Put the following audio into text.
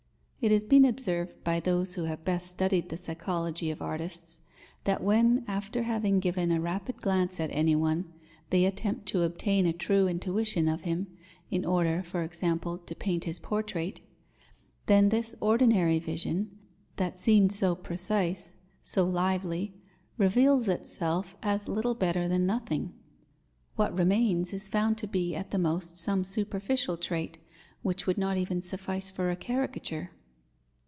It has been observed by those who have best studied the psychology of artists, that when, after having given a rapid glance at anyone, they attempt to obtain a true intuition of him, in order, for example, to paint his portrait, then this ordinary vision, that seemed so precise, so lively, reveals itself as little better than nothing. What remains is found to be at the most some superficial trait, which would not even suffice for a caricature.